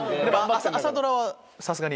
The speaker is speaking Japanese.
朝ドラはさすがに。